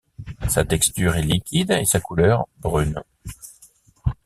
Sa texture est liquide, et sa couleur brune.